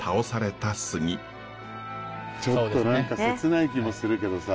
ちょっと何か切ない気もするけどさ